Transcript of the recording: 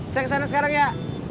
saya kesana sekarang ya